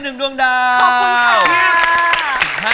สำคัญ